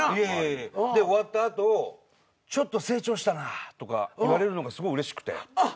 で終わった後「ちょっと成長したなぁ」とか言われるのがすごいうれしくて。